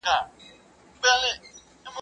o تر سلو شاباسو يوه ايکي ښه ده.